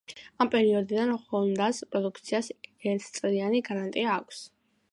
ამ პერიოდიდან ჰონდას პროდუქციას ერთწლიანი გარანტია აქვს.